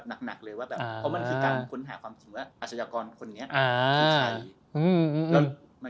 เพราะมันคือการค้นหาความสิ่งว่าอาชญากรคนเนี้ยคือใคร